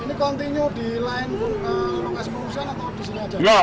ini continue di lain lokasi perusahaan atau disini aja